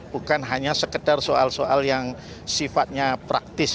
bukan hanya sekedar soal soal yang sifatnya praktis